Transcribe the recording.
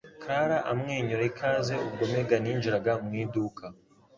Clara amwenyura ikaze ubwo Megan yinjiraga mu iduka.